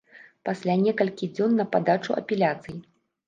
Пасля некалькі дзён на падачу апеляцый.